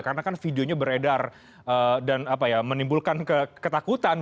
karena kan videonya beredar dan menimbulkan ketakutan